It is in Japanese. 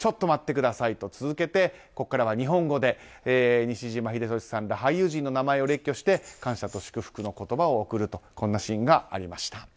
待ってくださいと続けてここからは日本語で西島秀俊さんら俳優陣の名前を列挙して感謝を祝福の言葉を送るというシーンがありました。